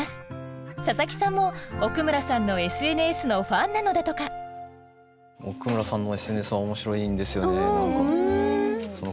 佐佐木さんも奥村さんのＳＮＳのファンなのだとか奥村さんのＳＮＳは面白いんですよね何か。